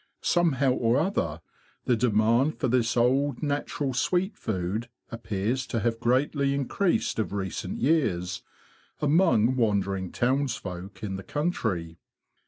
Somehow or other the demand for this old natural sweet food appears to have greatly increased of recent years among wandering towns folk in the country.